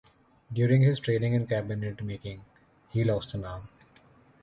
During his training in cabinet making, he lost an arm.